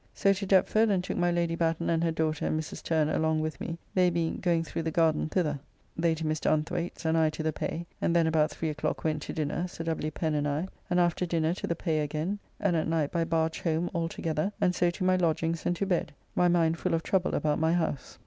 So to Deptford, and took my Lady Batten and her daughter and Mrs. Turner along with me, they being going through the garden thither, they to Mr. Unthwayte's and I to the Pay, and then about 3 o'clock went to dinner (Sir W. Pen and I), and after dinner to the Pay again, and at night by barge home all together, and so to my lodgings and to bed, my mind full of trouble about my house.